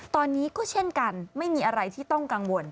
ตอนนี้ก็เช่นกันไม่มีอะไรที่ต้องกังวล